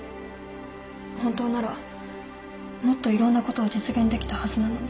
本当ならもっといろんなことを実現できたはずなのに。